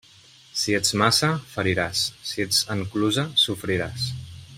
Si ets maça, feriràs; si ets enclusa, sofriràs.